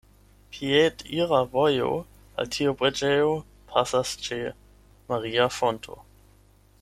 Piedira vojo al tiu preĝejo pasas ĉe "maria fonto".